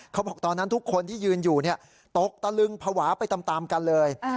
เขาบอกตอนนั้นทุกคนที่ยืนอยู่ตกตะลึงภาวะไปตามกันเลย